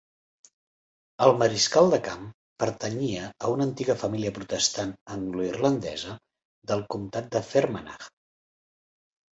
El mariscal de camp pertanyia a una antiga família protestant angloirlandesa del comtat de Fermanagh.